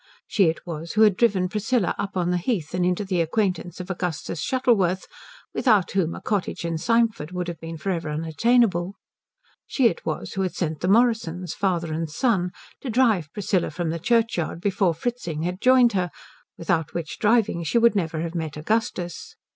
She it was who had driven Priscilla up on to the heath and into the acquaintance of Augustus Shuttleworth, without whom a cottage in Symford would have been for ever unattainable. She it was who had sent the Morrisons, father and son, to drive Priscilla from the churchyard before Fritzing had joined her, without which driving she would never have met Augustus.